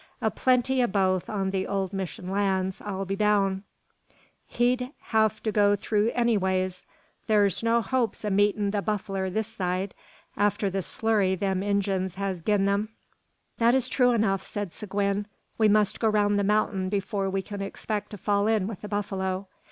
A plenty o' both on the ole mission lands, I'll be boun'. We'd hev to go thur anyways. Thur's no hopes o' meetin' the buffler this side, arter the splurry them Injuns has gin them." "That is true enough," said Seguin. "We must go round the mountain before we can expect to fall in with the buffalo.